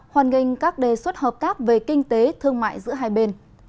hoàn nghênh các đề xuất hợp tác về kinh tế thương mại giữa hai bên